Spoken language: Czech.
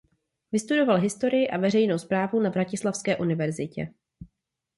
Vystudoval historii a veřejnou správu na Vratislavské univerzitě.